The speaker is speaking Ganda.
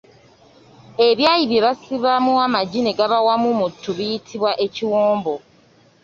Ebyayi bye basibamu amagi ne gaba wamu mu ttu biyitibwa ekiwombo